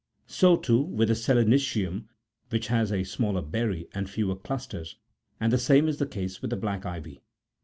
So, too, with the selenitium, which has a smaller berry, and fewer clusters ; and the same is the case with the black ivy.